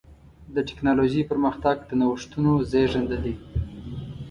د ټکنالوجۍ پرمختګ د نوښتونو زېږنده دی.